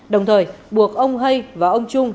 đồng thời buộc ông hây và ông trung